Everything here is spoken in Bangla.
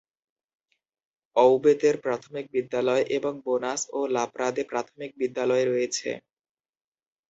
অউবেতেরে প্রাথমিক বিদ্যালয় এবং বোনেস ও লাপ্রাদে প্রাথমিক বিদ্যালয় রয়েছে।